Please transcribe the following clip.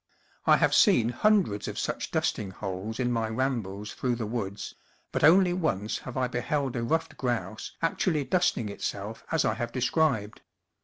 I have seen hundreds of such dusting holes in my rambles through the woods, but only once have I beheld a ruffed grouse actually dusting itself as I have described.